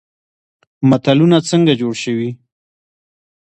متلونه څنګه جوړ شوي؟